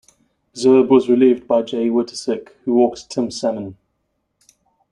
Zerbe was relieved by Jay Witasick, who walked Tim Salmon.